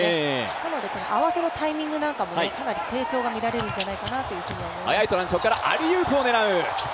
なので合わせのタイミングなんかも、かなり成長が見られるんじゃないかと思います。